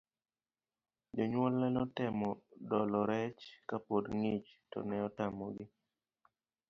Jounyuolne notemo dolo rech kapod ng'ich to ne otamogi.